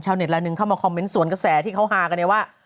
ชาวเน็ตละนึงเข้ามาคอมเม้นส่วนกระแสที่เขาฮากันเลยว่า